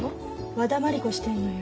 和田マリ子してんのよ。